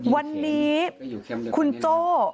วันนี้คุณโจ้